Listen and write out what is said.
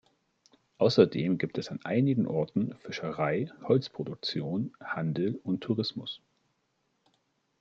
Außerdem gibt es an einigen Orten Fischerei, Holzproduktion, Handel und Tourismus.